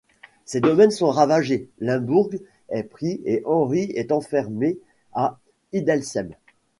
Ses domaines sont ravagés, Limbourg est pris et Henri est enfermé à Hildesheim.